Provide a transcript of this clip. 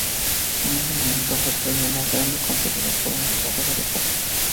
En ese momento, fue el premio más grande conseguido por una jugadora de poker.